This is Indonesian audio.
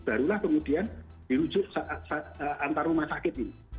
barulah kemudian dirujuk antar rumah sakit ini